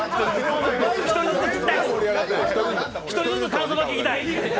１人ずつ感想が聞きたい。